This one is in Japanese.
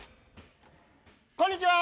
・こんにちは！